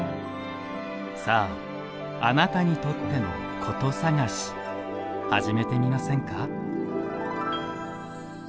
さあ、あなたにとっての古都さがし、始めてみませんか？